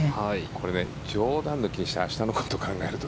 これ冗談抜きにして明日のことを考えると。